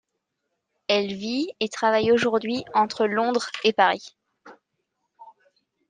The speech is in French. Elle vit et travaille aujourd’hui entre Londres et Paris.